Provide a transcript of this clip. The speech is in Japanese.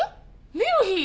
ミルヒー！？